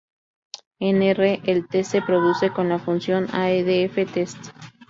En R el test se produce con la función adf.test.